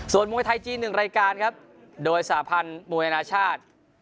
ส่วนมวยไทยจีน๑รายการครับโดยสาพันธ์มวยอนาชาติ